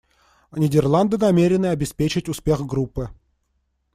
Нидерланды намерены обеспечить успех группы.